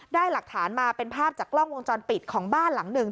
ได้หลักฐานมาเป็นภาพจากกล้องวงจรปิดของบ้านหลังหนึ่ง